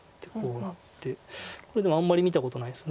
これでもあんまり見たことないです。